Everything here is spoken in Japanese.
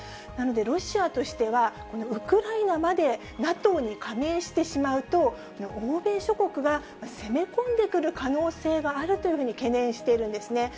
なので、ロシアとしては、ウクライナまでＮＡＴＯに加盟してしまうと、欧米諸国が攻め込んでくる可能性があるというふうに懸念しているんですね。